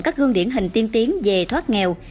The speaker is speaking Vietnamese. các gương điển hình tiên tiến về thoát nghèo